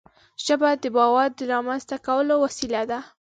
ژبه د باور د رامنځته کولو وسیله ده